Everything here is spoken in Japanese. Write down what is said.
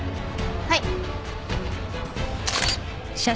はい。